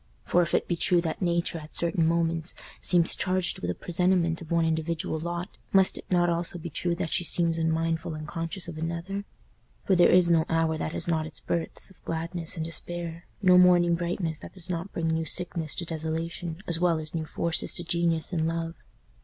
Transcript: For if it be true that Nature at certain moments seems charged with a presentiment of one individual lot must it not also be true that she seems unmindful, unconscious of another? For there is no hour that has not its births of gladness and despair, no morning brightness that does not bring new sickness to desolation as well as new forces to genius and love.